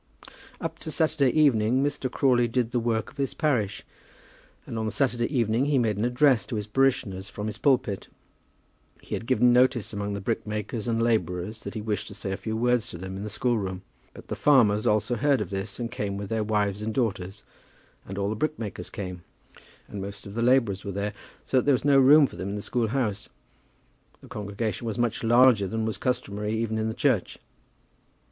Up to Saturday evening Mr. Crawley did the work of his parish, and on the Saturday evening he made an address to his parishioners from his pulpit. He had given notice among the brickmakers and labourers that he wished to say a few words to them in the school room; but the farmers also heard of this and came with their wives and daughters, and all the brickmakers came, and most of the labourers were there, so that there was no room for them in the school house. The congregation was much larger than was customary even in the church.